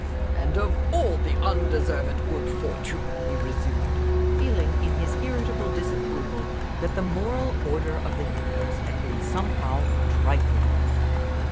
"And of all the undeserved good fortune!" he resumed, feeling in his irritable disapproval that the moral order of the universe had been somehow trifled with.